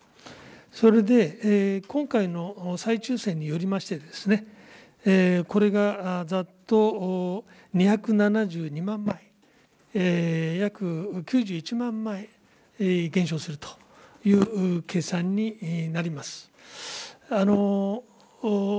それで今回の再抽せんによりまして、これがざっと２７２万枚、約９１万枚減少するという計算になります。